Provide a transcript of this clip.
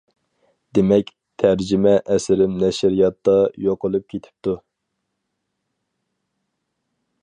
دېمەك، تەرجىمە ئەسىرىم نەشرىياتتا يوقىلىپ كېتىپتۇ.